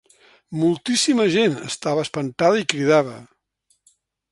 Moltíssima gent estava espantada i cridava.